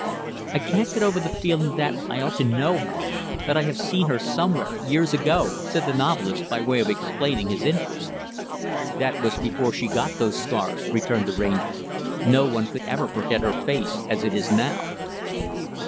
"I can't get over the feeling that I ought to know her that I have seen her somewhere, years ago," said the novelist, by way of explaining his interest. "Then it was before she got those scars," returned the Ranger. "No one could ever forget her face as it is now."